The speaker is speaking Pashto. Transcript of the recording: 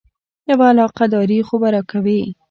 یوه علاقه داري خو به راکوې.